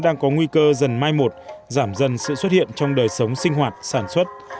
đang có nguy cơ dần mai một giảm dần sự xuất hiện trong đời sống sinh hoạt sản xuất